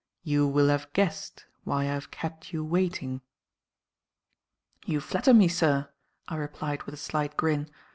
"You will have guessed why I have kept you waiting." "You flatter me, sir," I replied with a slight grin.